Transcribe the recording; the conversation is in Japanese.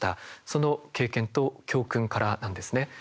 その経験と教訓からなんですね。